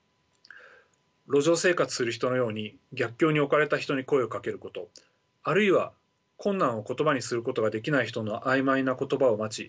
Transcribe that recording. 路上生活する人のように逆境に置かれた人に声をかけることあるいは困難を言葉にすることができない人の曖昧な言葉を待ち